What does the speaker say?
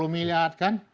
dua puluh miliar kan